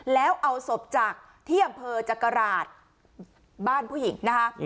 แล้วเอาศพจากที่อำเภอจักราชบ้านผู้หญิงนะคะ